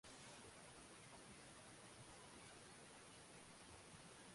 ambao mwaka mia moja thelathini na tano waliwafukuza wote kutoka nchi yao